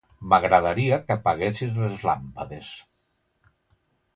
M'agradaria que apaguessis les làmpades.